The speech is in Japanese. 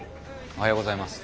おはようございます。